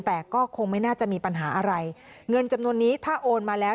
แต่ก็คงไม่น่าจะมีปัญหาอะไรเงินจำนวนนี้ถ้าโอนมาแล้ว